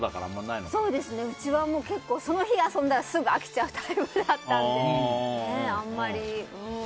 うちは結構、その日遊んだらすぐ飽きちゃうタイプだったのであんまり。